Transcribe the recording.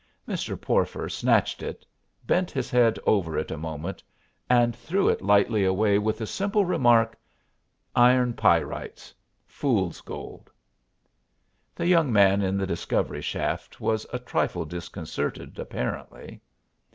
Mr. Porfer snatched it, bent his head over it a moment and threw it lightly away with the simple remark: "Iron pyrites fool's gold." The young man in the discovery shaft was a trifle disconcerted, apparently.